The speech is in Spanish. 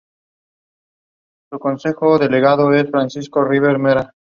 El agua es bastante transparente y la visibilidad va de seis a catorce metros.